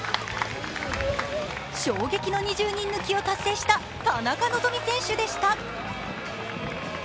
衝撃の２０人抜きを達成した田中希実選手でした。